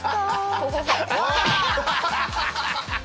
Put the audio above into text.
ハハハハ！